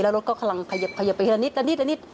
แล้วรถก็ขยับไปนิด